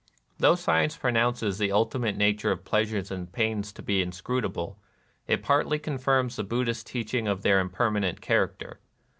Though science pronounces the ultimate na ture of pleasures and pains to be inscrutable, it partly confirms the Buddhist teaching of their impermanent character.